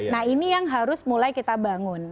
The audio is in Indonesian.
nah ini yang harus mulai kita bangun